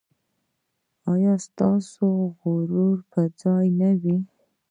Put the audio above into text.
ایا ستاسو غرور به پر ځای نه وي؟